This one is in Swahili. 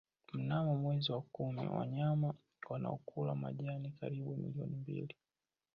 Mnamo mwezi wa kumi wanyama wanaokula majani karibu milioni mbili